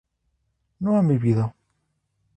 no han vivido